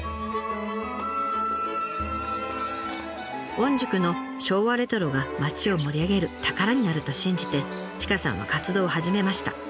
御宿の昭和レトロが町を盛り上げる宝になると信じて千賀さんは活動を始めました。